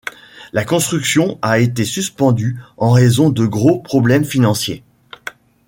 La construction a été suspendue en raison de gros problèmes financiers.